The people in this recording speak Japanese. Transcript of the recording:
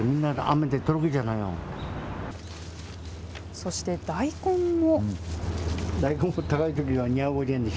そして大根も。